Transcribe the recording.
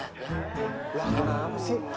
lah kenapa sih